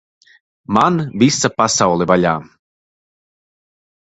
Man visa pasaule vaļā!